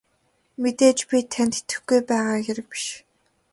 Мэдээж би танд итгэхгүй байгаа хэрэг биш.